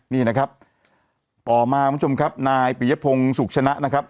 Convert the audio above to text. นี่นะครับต่อมาคุณผู้ชมครับนายปียพงศ์สุขชนะนะครับ